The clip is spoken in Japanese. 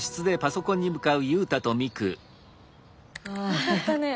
よかったね。